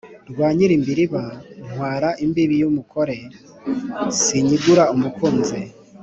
rwa nyilimbirima ntwara imbibi y'umukore, sinyigura umukinzi,